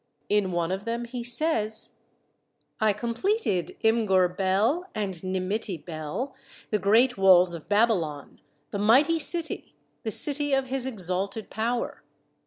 In one of them he says: I completed Imgur Bel and Nimitti Bel, the great walls of Babylon, the mighty city, the city of his exalted power.